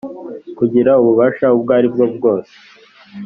kugira ububasha ubwo aribwo bwose